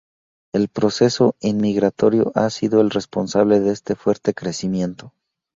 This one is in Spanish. El proceso inmigratorio ha sido el responsable de este fuerte crecimiento.